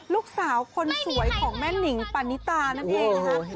ลูกสาวคนสวยของแม่นิงปานิตานั่นเองนะคะ